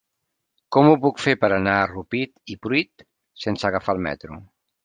Com ho puc fer per anar a Rupit i Pruit sense agafar el metro?